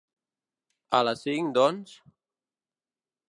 A les cinc doncs?